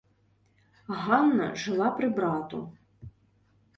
Ганна жыла пры брату.